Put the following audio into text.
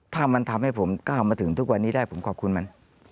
ถ้ามันทำให้ผมก้าวมาถึงทุกวันนี้ได้ผมขอบคุณมัน